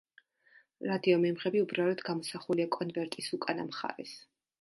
რადიომიმღები უბრალოდ გამოსახულია კონვერტის უკანა მხარეს.